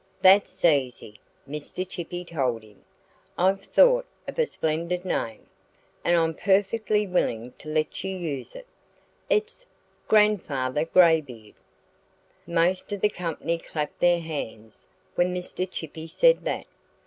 "That's easy!" Mr. Chippy told him. "I've thought of a splendid name. And I'm perfectly willing to let you use it.... It's Grandfather Graybeard!" Most of the company clapped their hands when Mr. Chippy said that.